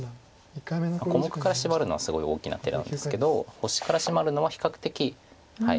小目からシマるのはすごい大きな手なんですけど星からシマるのは比較的はい。